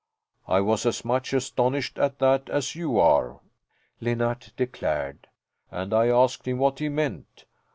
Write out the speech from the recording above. "I was as much astonished at that as you are," Linnart declared, "and I asked him what he meant.